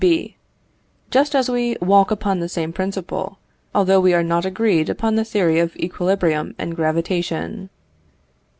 B. Just as we walk upon the same principle, although we are not agreed upon the theory of equilibrium and gravitation.